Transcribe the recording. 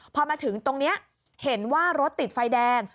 พอมาถึงตรงนี้เห็นว่ารถติดไฟแดง